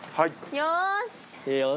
よし。